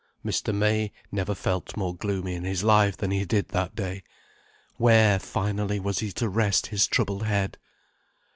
Mr. May never felt more gloomy in his life than he did that day. Where, finally, was he to rest his troubled head?